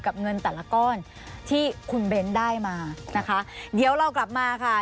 เงินแต่ละก้อนที่คุณเบ้นได้มานะคะเดี๋ยวเรากลับมาค่ะ